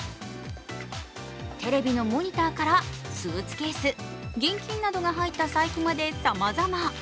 テレビのモニターからスーツケース、現金などが入った財布までさまざま。